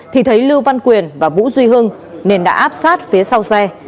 thì thấy lưu văn quyền và vũ duy hưng nên đã áp sát phía sau xe